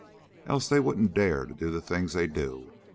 Else they wouldn't dare do the things they do.